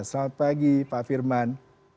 selamat pagi pak firman